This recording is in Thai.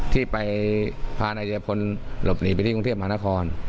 ที่ไปพานายชายพลหลบหนีไปที่กรุงเทพมหานคร